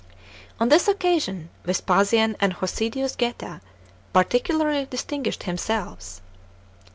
On this occasion, Vespasian and Hosidius Geta particularly distinguished themselves.